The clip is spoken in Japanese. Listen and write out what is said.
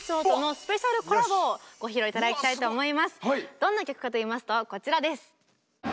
どんな曲かといいますとこちらです。